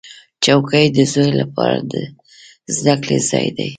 چوکۍ د زوی لپاره د زده کړې ځای دی.